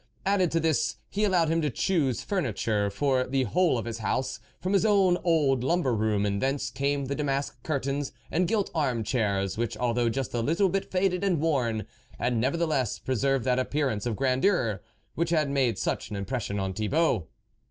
Added to this, he allowed him to choose furniture for the whole of his house from his own old lumber room ; and thence came the damask curtains and gilt arm chairs, which, although just a little bit faded and worn, had nevertheless pre served that appearance of grandeur which had made such an impression on Thibault.